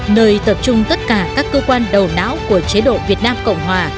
nơi tập trung tất cả các cơ quan đầu não của chế độ việt nam cộng hòa